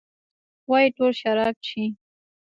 وايي ټول شراب چښي.